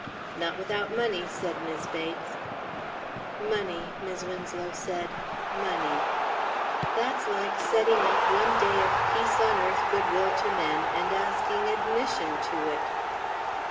"Not without money," said Mis' Bates. "Money," Mis' Winslow said, "money. That's like setting up one day of peace on earth, good will to men, and asking admission to it."